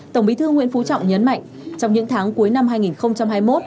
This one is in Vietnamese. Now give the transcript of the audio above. tổng bí thư nguyễn phú trọng nhấn mạnh trong những tháng cuối năm hai nghìn hai mươi một